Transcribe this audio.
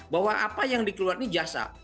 bahwa apa yang dikeluarkan ini jasa